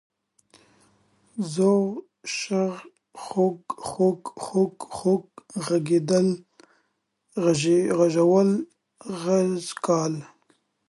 ځوږ، شپږ، خوَږ، خُوږه ، خوږ، خوږ ، غږېدل، غږول، سږ کال